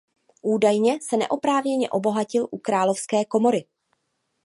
Údajně se neoprávněně obohatil u královské komory.